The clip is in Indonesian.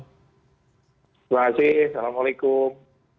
terima kasih assalamualaikum